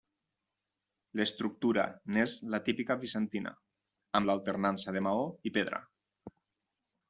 L'estructura n'és la típica bizantina, amb alternança de maó i pedra.